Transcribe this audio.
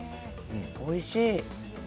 おいしい。